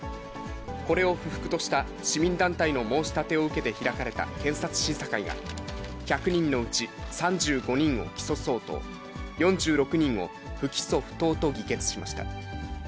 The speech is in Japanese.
これを不服とした市民団体の申し立てを受けて開かれた検察審査会が、１００人のうち３５人を起訴相当、４６人を不起訴不当と議決しました。